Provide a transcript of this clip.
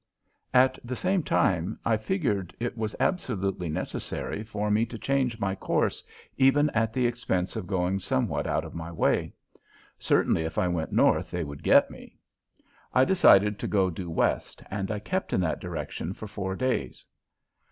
At the same time I figured that it was absolutely necessary for me to change my course even at the expense of going somewhat out of my way. Certainly if I went north they would get me. I decided to go due west, and I kept in that direction for four days.